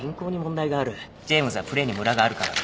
ジェームズはプレーにむらがあるから首。